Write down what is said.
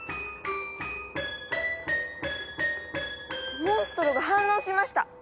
モンストロが反応しました！